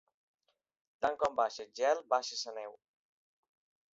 Tant com baixa el gel, baixa la neu.